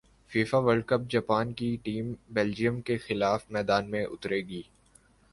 FIFA world cup Japan کی team Belgium کیخلاف میدان میں اترے گی